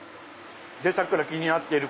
さっきから気になっている